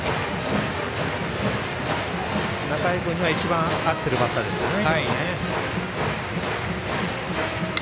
仲井君には一番合っているバッターですよね。